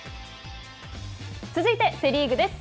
続いてはセ・リーグです。